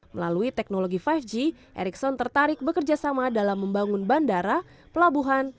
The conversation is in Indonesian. melalui teknologi lima g ericson tertarik bekerjasama dalam membangun bandara pelabuhan